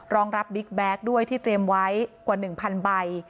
รองรับบิ๊กแบ็คด้วยที่เตรียมไว้กว่า๑๐๐ใบ